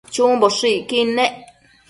chumboshëcquid nec